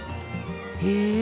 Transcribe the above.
へえ。